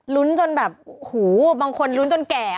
จนแบบหูบางคนลุ้นจนแก่